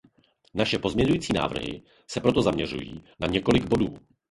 Naše pozměňovací návrhy se proto zaměřují na několik bodů.